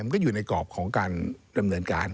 ก็อยู่ในกรอบของการดำเนินการ